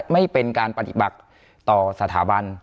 ไม่เป็นการปฏิบัติต่อสถาบัน